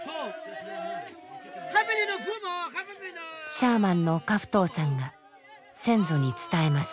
シャーマンの夏付冬さんが先祖に伝えます。